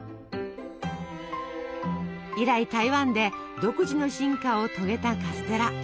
以来台湾で独自の進化を遂げたカステラ。